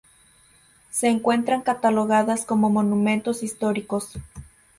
Se encuentran catalogadas como monumentos históricos.